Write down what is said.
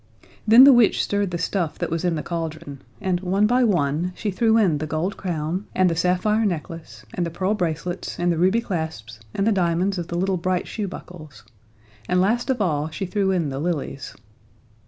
Then the witch stirred the stuff that was in the cauldron, and, one by one, she threw in the gold crown and the sapphire necklace and the pearl bracelets and the ruby clasps and the diamonds of the little bright shoe buckles, and last of all she threw in the lilies.